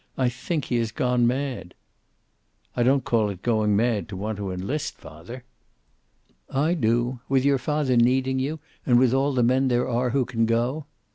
"I think he has gone mad." "I don't call it going mad to want to enlist, father." "I do. With your father needing you, and with all the men there are who can go."